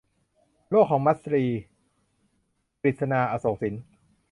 โลกของมัทรี - กฤษณา อโศกสิน